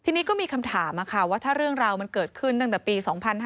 ทีนี้ก็มีคำถามถ้าเรื่องราวเกิดขึ้นตั้งแต่ปี๒๕๔๔๒๕๔๘